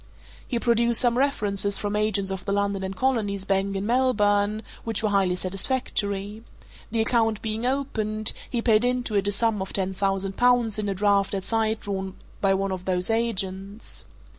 He produced some references from agents of the London & Colonies Bank, in Melbourne, which were highly satisfactory; the account being opened, he paid into it a sum of ten thousand pounds in a draft at sight drawn by one of those agents.